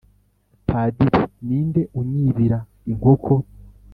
padiri:"ninde unyibira inkoko ???